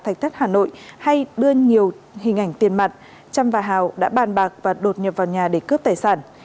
thạch thất hà nội hay đưa nhiều hình ảnh tiền mặt trâm và hào đã bàn bạc và đột nhập vào nhà để cướp tài sản